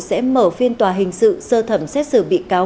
sẽ mở phiên tòa hình sự sơ thẩm xét xử biến